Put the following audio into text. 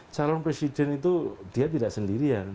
calon presiden itu dia tidak selalu berdiri di dalam kampanye